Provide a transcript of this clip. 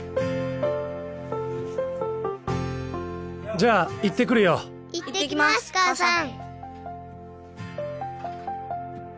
じゃあ行ってくるよ。いってきます母さん。